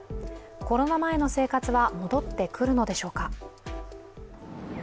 コロナ前の生活は戻ってくるのでしょうか。